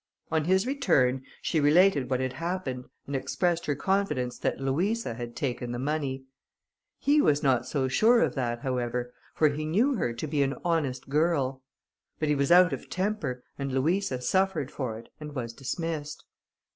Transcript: On his return, she related what had happened, and expressed her confidence that Louisa had taken the money. He was not so sure of that, however, for he knew her to be an honest girl; but he was out of temper, and Louisa suffered for it, and was dismissed.